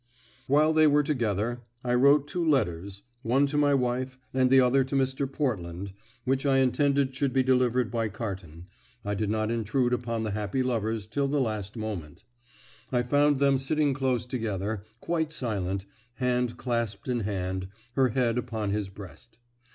While they were together I wrote two letters one to my wife, and the other to Mr. Portland which I intended should be delivered by Carton. I did not intrude upon the happy lovers till the last moment. I found them sitting close together, quite silent, hand clasped in hand, her head upon his breast.